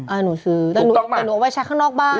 อ้าวหนูซื้อแต่หนูเอาไว้ชัดข้างนอกบ้าง